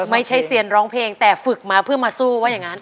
ไม่ใช่เซียนร้องเพลงแต่ฝึกมาเพื่อมาสู้ว่าอย่างนั้น